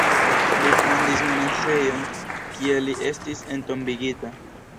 Li fondis monaĥejon, kie li estis entombigita.